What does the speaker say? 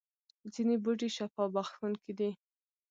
ځینې بوټي شفا بخښونکي دي